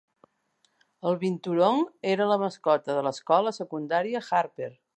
El binturong era la mascota de l'escola secundària Harper.